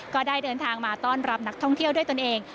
ก็ได้เดินทางมาต้อนรับนักท่องเที่ยวด้วยตนเอง